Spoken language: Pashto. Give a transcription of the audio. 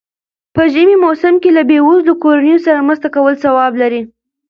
په ژمی موسم کی له بېوزلو کورنيو سره مرسته کول ثواب لري.